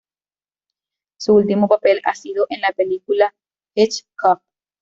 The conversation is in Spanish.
Su último papel ha sido en la película "Hitchcock".